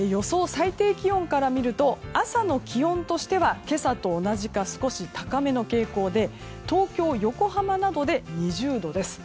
最低気温から見ると朝の気温としては今朝と同じか少し高めの傾向で東京、横浜などで２０度です。